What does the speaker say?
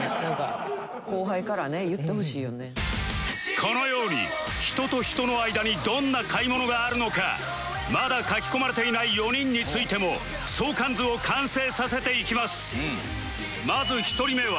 このように人と人の間にどんな買い物があるのかまだ書き込まれていない４人についても相関図を完成させていきます